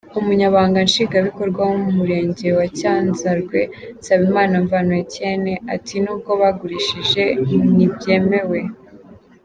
Umunyamabanga Nshingwabikorwa w’Umurenge wa Cyanzarwe, Nsabimana Mvano Etienne, ati “Nubwo bagurishije ntibyemewe.